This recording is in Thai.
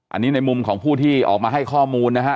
อันนี้ในมุมของผู้ที่ออกมาให้ข้อมูลนะฮะ